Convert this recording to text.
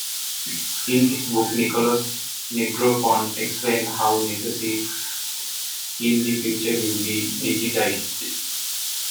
In his book, Nicholas Negroponte explains how necessities in the future will be digitized.